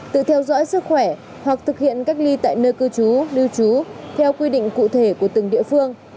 tự theo dõi sức khỏe hoặc thực hiện cách ly tại nơi cư trú lưu trú theo quy định cụ thể của từng địa phương